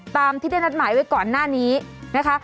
ตามที่ได้นัดหมายไว้ก่อนหน้านี้นะคะ